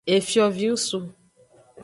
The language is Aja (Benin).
Efiovingsu.